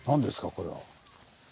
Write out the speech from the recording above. これは。